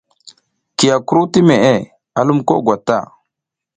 Kiya kuru ti meʼe a lum ko gwat ta.